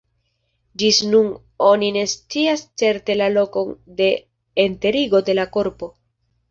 Ĝis nun oni ne scias certe la lokon de enterigo de la korpo.